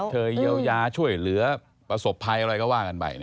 จะเป็นเงินคตเตย้วยาช่วยเหลือประสบภัยอะไรก็ว่ากันไป